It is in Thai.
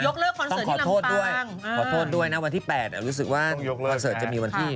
ยกเลิกคอนเสิร์ตที่ลำปลาต้องขอโทษด้วยวันที่๘รู้สึกว่าคอนเสิร์ตจะมีวันที่